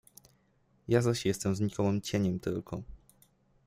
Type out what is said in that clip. Ja zaś jestem znikomym cieniem tylko.